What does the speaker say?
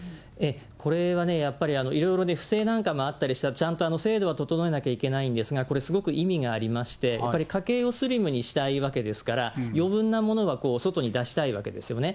これはやっぱり、いろいろ不正なんかもあったりして、ちゃんと制度は整えないといけないんですが、すごく意味がありまして、やっぱり家計をスリムにしたいわけですから、余分なものは外に出したいわけですよね。